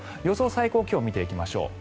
最高気温見ていきましょう。